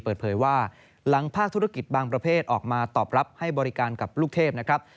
เปิดเผยว่าหลังภาคธุรกิจบางประเภทออกมาตอบรับให้บริการกับลูกเทพนะครับ